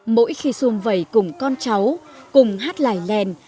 mỗi khi xuông vầy cùng con cháu cùng hát lải lèn